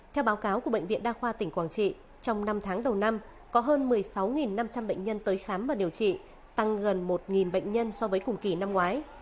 theo báo cáo của bệnh viện đa khoa tỉnh quảng trị trong năm tháng đầu năm có hơn một mươi sáu năm trăm linh bệnh nhân tới khám và điều trị tăng gần một bệnh nhân so với cùng kỳ năm ngoái